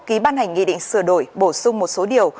ký ban hành nghị định sửa đổi bổ sung một số điều